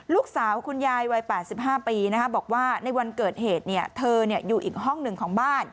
คุณยายวัย๘๕ปีบอกว่าในวันเกิดเหตุเธออยู่อีกห้องหนึ่งของบ้าน